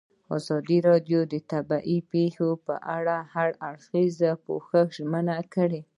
ازادي راډیو د طبیعي پېښې په اړه د هر اړخیز پوښښ ژمنه کړې.